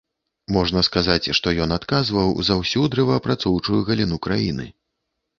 Можна сказаць, што ён адказваў за ўсю дрэваапрацоўчую галіну краіны.